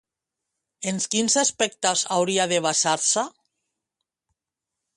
En quins aspectes hauria de basar-se?